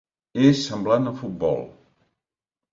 És semblant al futbol.